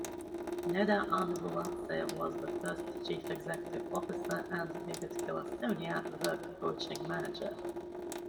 Nodar Andghuladze was the first Chief Executive Officer and David Kilassonia the coaching manager.